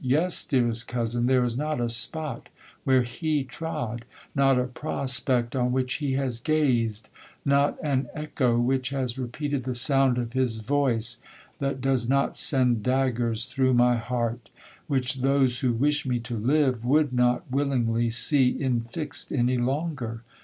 —'Yes, dearest cousin—there is not a spot where he trod—not a prospect on which he has gazed—not an echo which has repeated the sound of his voice,—that does not send daggers through my heart, which those who wish me to live would not willingly see infixed any longer.'